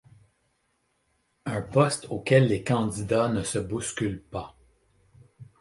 Un poste auquel les candidats ne se bousculent pas.